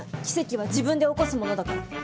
奇跡は自分で起こすものだから。